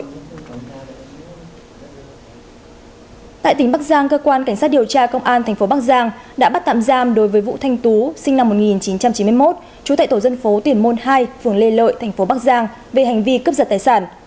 tại tỉnh bắc giang cơ quan cảnh sát điều tra công an thành phố bắc giang đã bắt tạm giam đối với vũ thanh tú sinh năm một nghìn chín trăm chín mươi một trú tại tổ dân phố tiền môn hai phường lê lợi thành phố bắc giang về hành vi cướp giật tài sản